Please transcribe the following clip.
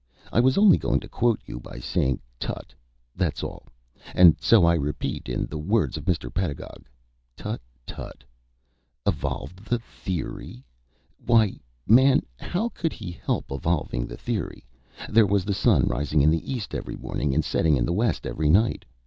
"I was only going to quote you by saying 'Tutt!' that's all; and so I repeat, in the words of Mr. Pedagog, tutt, tutt! Evolved the theory? Why, man, how could he help evolving the theory? There was the sun rising in the east every morning and setting in the west every night.